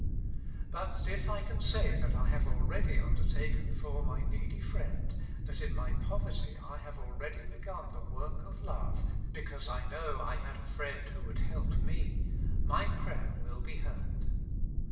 But if I can say that I have already undertaken for my needy friend, that in my poverty I have already begun the work of love, because I know I had a friend who would help me, my prayer will be heard.